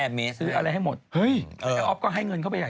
ดูแล้วเดี๋ยวเนี้ย